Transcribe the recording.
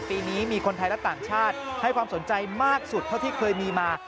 ปีนี้มีคนไทยและต่างชาติให้ความสนใจมากสุดเท่าที่เคยมีมา